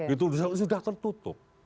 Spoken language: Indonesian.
itu sudah tertutup